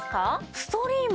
ストリーマ。